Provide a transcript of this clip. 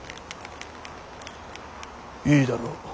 いいだろう。